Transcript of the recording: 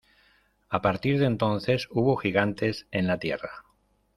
A partir de entonces hubo gigantes en la tierra.